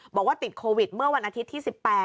บอกว่าติดโควิดเมื่อวันอาทิตย์ที่๑๘